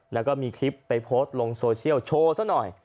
แล้วก็มีคลิปไปโพสต์ลงโซเชียลโชว์ซะหน่อย